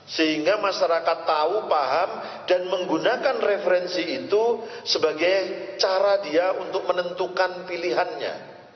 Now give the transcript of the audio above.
sehingga masyarakat tahu paham dan menggunakan referensi itu sebagai cara dia untuk menentukan pilihannya